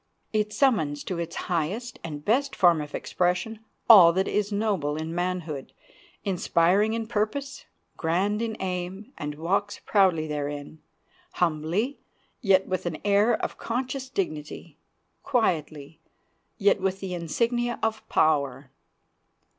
It summons to its highest and best form of expression all that is noble in manhood, inspiring in purpose, grand in aim, and walks proudly therein; humbly, yet with an air of conscious dignity; quietly, yet with the insignia of power.